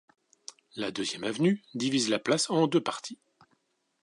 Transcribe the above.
La Deuxième Avenue divise la place en deux parties.